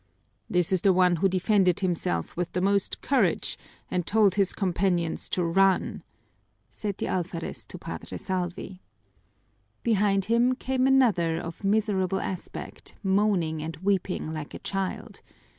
"This is the one who defended himself with the most courage and told his companions to run," said the alferez to Padre Salvi. Behind him came another of miserable aspect, moaning and weeping like a child.